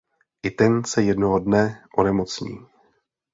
I ten se jednoho dne onemocní.